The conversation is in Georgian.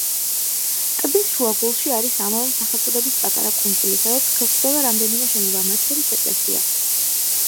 ტბის შუაგულში არის ამავე სახელწოდების პატარა კუნძული, სადაც გვხვდება რამდენიმე შენობა, მათ შორის ეკლესია.